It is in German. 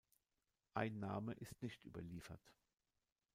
Ein Name ist nicht überliefert.